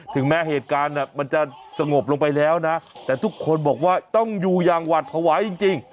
ถึงแม้เหตุการณ์มันจะสงบลงไปแล้วนะแต่ทุกคนบอกว่าต้องอยู่อย่างหวัดภาวะจริง